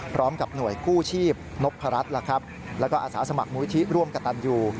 พร้อมกับหน่วยคู่ชีพนพรรดิแล้วก็อาสาสมัครมูลวิธีร่วมกับตันอยู่